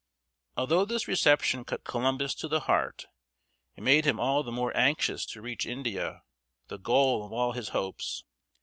Although this reception cut Columbus to the heart, it made him all the more anxious to reach India, the goal of all his hopes.